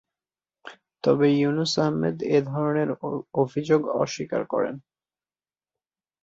তবে, ইউনুস আহমেদ এ ধরনের অভিযোগ অস্বীকার করেন।